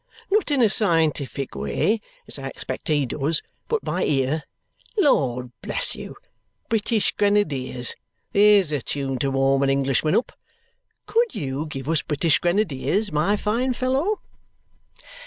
Not in a scientific way, as I expect he does, but by ear. Lord bless you! 'British Grenadiers' there's a tune to warm an Englishman up! COULD you give us 'British Grenadiers,' my fine fellow?"